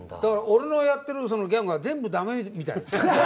俺のやってるギャグは全部駄目みたい。